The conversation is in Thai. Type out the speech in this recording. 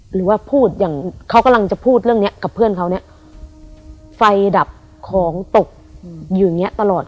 หรือว่าพูดอย่างเขากำลังจะพูดเรื่องเนี้ยกับเพื่อนเขาเนี่ยไฟดับของตกอยู่อย่างเงี้ยตลอด